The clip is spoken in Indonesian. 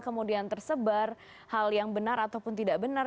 kemudian tersebar hal yang benar ataupun tidak benar